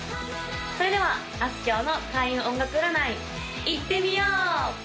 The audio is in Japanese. それではあすきょうの開運音楽占いいってみよう！